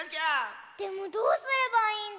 でもどうすればいいんだろう。